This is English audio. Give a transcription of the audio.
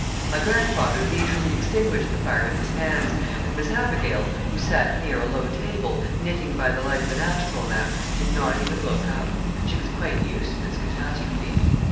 My grandfather leisurely extinguished the fire with his hands, and Miss Abigail, who sat near a low table, knitting by the light of an astral lamp, did not even look up. She was quite used to this catastrophe.